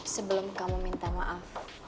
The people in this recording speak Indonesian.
sebelum kamu minta maaf